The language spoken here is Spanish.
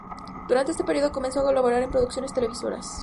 Durante este período, comenzó a colaborar en producciones televisivas.